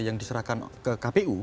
yang diserahkan ke kpu